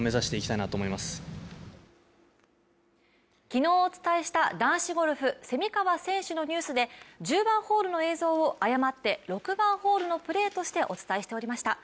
昨日お伝えした男子ゴルフ蝉川選手のニュースで１０番ホールの映像を誤って６番ホールのプレーとしてお伝えしておりました。